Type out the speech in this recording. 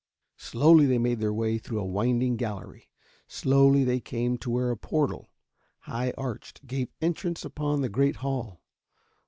Slowly they made their way through a winding gallery. Slowly they came to where a portal, high arched, gave entrance upon the great hall.